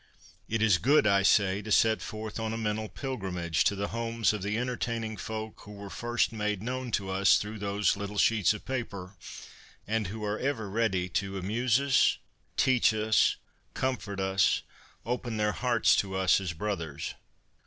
It is good, I say, to set forth on a ' mental pilgrimage ' to the homes of the entertaining folk who were first made known to us through those ' little sheets of paper,' and who are ever ready to ' amuse us, teach us, comfort us, open their hearts to us as brothers.'